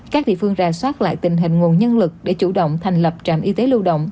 các địa phương ra soát lại tình hình nguồn nhân lực để chủ động thành lập trạm y tế lưu động